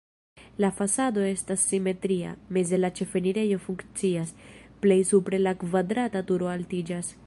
La fasado estas simetria, meze la ĉefenirejo funkcias, plej supre la kvadrata turo altiĝas.